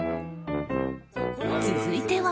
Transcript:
続いては。